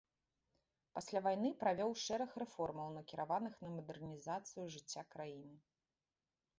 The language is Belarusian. Пасля вайны правёў шэраг рэформаў, накіраваных на мадэрнізацыю жыцця краіны.